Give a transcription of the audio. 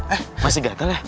eh masih gatel ya